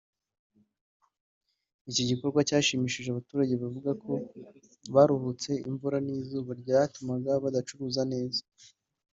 Iki gikorwa cyashimishije aba baturage bavuga ko baruhutse imvura n’izuba ryatumaga badacuruza neza